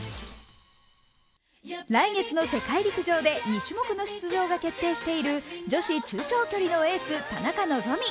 来月の世界陸上で２種目の出場が決定している女子中長距離のエース、田中希実。